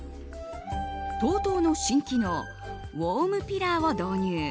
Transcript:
ＴＯＴＯの新機能ウォームピラーを導入。